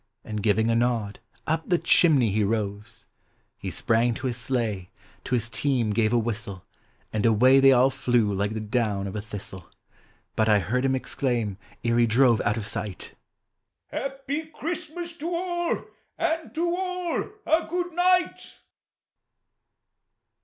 And giving a nod, up the chimney he rose, lie sprang to his sleigh, to his team gave a whistle, And away they all liew like the down of a thistle; But I heard him exclaim, ere he drove out of sight, " Happy Christmas to all, aud to all a good night!"